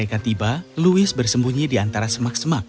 ketika tiba louis bersembunyi di antara semak semak